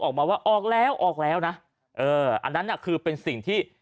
ออกมาว่าออกแล้วออกแล้วนะเอออันนั้นน่ะคือเป็นสิ่งที่